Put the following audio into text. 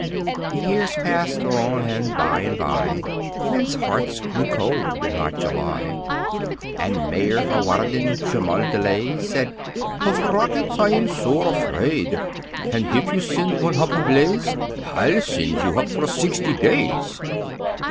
The years passed on, and by and by, Men's hearts grew cold in hot July. And Mayor Hawarden Cholmondely said "Hof rockets Hi ham sore hafraid; Hand hif you send one hup hablaze, Hi'll send you hup for sixty days."